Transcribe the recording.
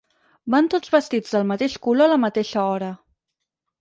Van tots vestits del mateix color a la mateixa hora.